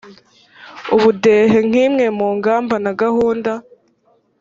ubudehe nk imwe mu ngamba na gahunda